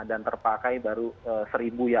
dan terpakai baru seribu ya